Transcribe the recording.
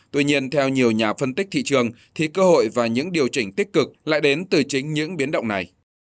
tuy nhiên theo nhiều nhà phân tích thị trường thì cơ hội và những điều chỉnh tích cực lại đến từ chính những biến động này